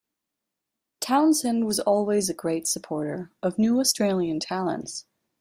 Townsend was always a great supporter of new Australian talents.